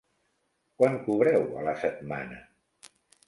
Quant cobreu a la setmana?